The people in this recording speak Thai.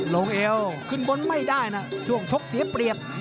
เอวขึ้นบนไม่ได้นะช่วงชกเสียเปรียบ